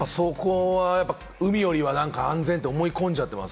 海よりは安全と思い込んじゃってます。